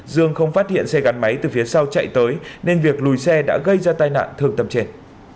dương không phát hiện xe gắn máy từ phía sau chạy tới nên việc lùi xe đã gây ra tai nạn thương tâm trên